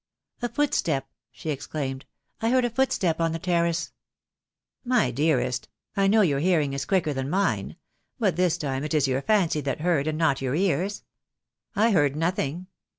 "A footstep!" she exclaimed. "I heard a footstep on the terrace." "My dearest, I know your hearing is quicker than mine; but this time it is your fancy that heard and not your ears. I heard nothing.